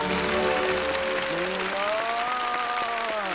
すごい！